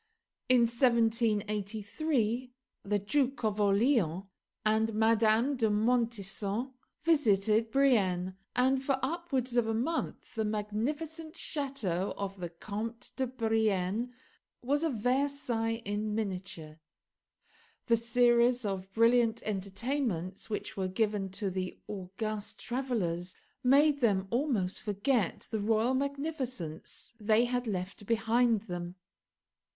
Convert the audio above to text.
In 1783 the Duke of Orleans and Madame de Montesson visited Brienne; and, for upwards of a month, the magnificent chateau of the Comte de Brienne was a Versailles in miniature. The series of brilliant entertainments which were given to the august travellers made them almost forget the royal magnificence they had left behind them.